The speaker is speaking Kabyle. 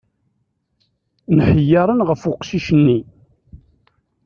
Nḥeyyaṛen ɣef uqcic-nni.